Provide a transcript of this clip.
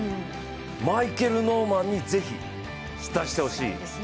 マイケル・ノーマンにぜひ出してほしい。